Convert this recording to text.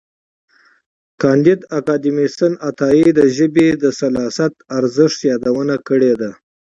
کانديد اکاډميسن عطايي د ژبې د سلاست ارزښت یادونه کړې ده.